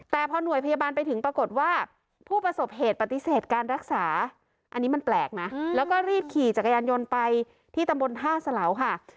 แต่พอหน่วยพยาบาลไปถึงปรากฏว่าผู้ประสบเหตุปฏิเสธการรักษาอันนี้มันแปลกนะแล้วก็รีบขี่จักรยานยนต์ไปที่ตำบลท่าสะเหลาค่ะ